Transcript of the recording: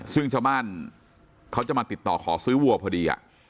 ซึ่งชาวบ้านเขาจะมาติดต่อขอซื้อวัวพอดี